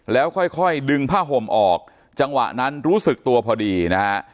แล้วค่อยดึงผ้าห่มออกจังหวะนั้นรู้สึกตัวพอดีนะฮะ